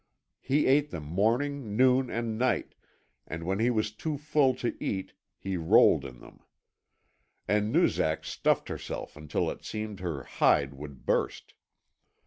He ate them morning, noon, and night, and when he was too full to eat he rolled in them. And Noozak stuffed herself until it seemed her hide would burst.